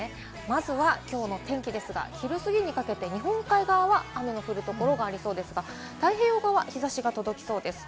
まずはきょうの天気ですが、昼すぎにかけて日本海側は雨の降るところがありそうですが、太平洋側は日差しが届きそうです。